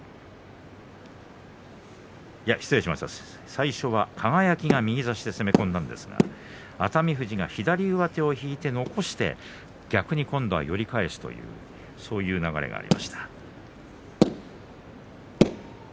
最初は輝が右差しで攻め込んだんですが、熱海富士は左上手を引いて残して逆に寄り返すというそういう流れがありました。